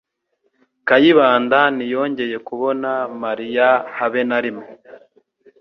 Kayibanda ntiyongeye kubona Mariya habe narimwe.